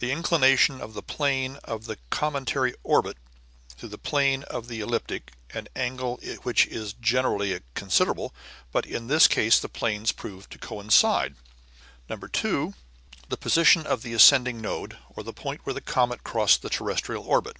The inclination of the plane of the cometary orbit to the plane of the ecliptic, an angle which is generally considerable, but in this case the planes were proved to coincide. 2. The position of the ascending node, or the point where the comet crossed the terrestrial orbit.